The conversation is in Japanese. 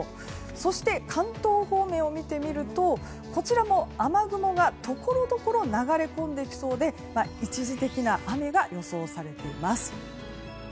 そして関東方面を見てみるとこちらも雨雲がところどころ流れ込んできそうで一時的な雨が予想されています。